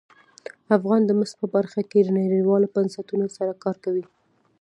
افغانستان د مس په برخه کې نړیوالو بنسټونو سره کار کوي.